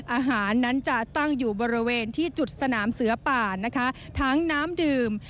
อาหารนั้นจะตั้งอยู่บริเวณที่จุดสนามเสือป่านะคะทั้งน้ำดื่ม